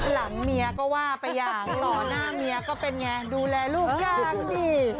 หลังเมียก็ว่าไปอย่างต่อหน้าเมียก็เป็นไงดูแลลูกอย่างดี